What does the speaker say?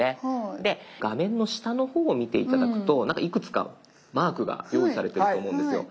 で画面の下の方を見て頂くとなんかいくつかマークが用意されていると思うんですよ。